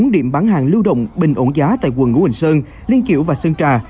bốn điểm bán hàng lưu động bình ổn giá tại quần ngũ quỳnh sơn liên kiểu và sơn trà